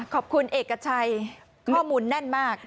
ขอบคุณเอกชัยข้อมูลแน่นมาก